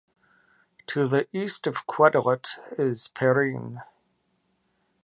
To the east of Quetelet is Perrine.